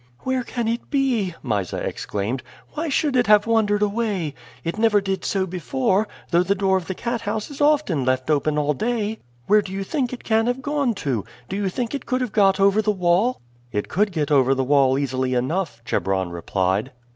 "Where can it be?" Mysa exclaimed. "Why should it have wandered away? It never did so before, though the door of the cat house is often left open all day. Where do you think it can have gone to? Do you think it could have got over the wall?" "It could get over the wall easily enough," Chebron replied.